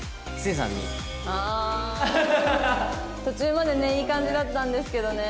途中までねいい感じだったんですけどね。